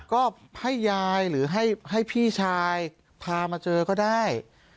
ก็ให้ยายหรือให้พี่ชายพามาเจอก็ได้